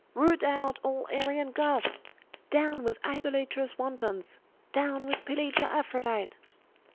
Root out all Arian Goths! Down with idolatrous wantons! Down with Pelagia Aphrodite!